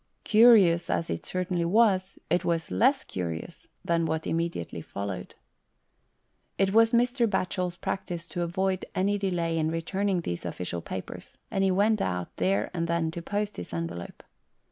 Curious as it certainly was, it was less curious than what immediately followed. It was Mr. Batchel's practice to avoid any delay in returning these official papers, and he went out, there and then, to post his envelope.